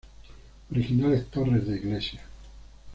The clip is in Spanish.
Originales torres de iglesias.